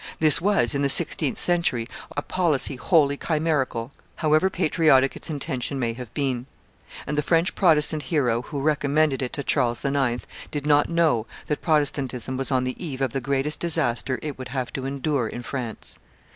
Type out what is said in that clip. This was, in the sixteenth century, a policy wholly chimerical, however patriotic its intention may have been; and the French Protestant hero who recommended it to Charles IX. did not know that Protestantism was on the eve of the greatest disaster it would have to endure in France.